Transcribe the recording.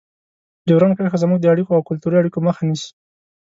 ډیورنډ کرښه زموږ د اړیکو او کلتوري اړیکو مخه نیسي.